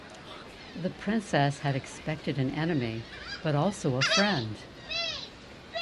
The Princess had expected an enemy, but also a friend.